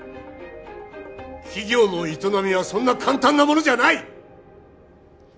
企業の営みはそんな簡単なものじゃない！